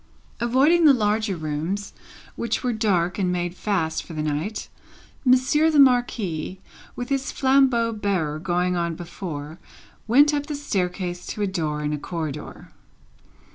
Avoiding the larger rooms, which were dark and made fast for the night, Monsieur the Marquis, with his flambeau bearer going on before, went up the staircase to a door in a corridor.